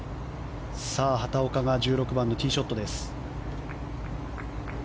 畑岡が１６番のティーショットです。